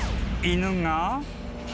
［犬が］